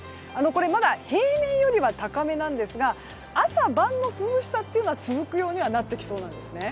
まだ平年よりは高めなんですが朝晩の涼しさは続くようにはなってきそうです。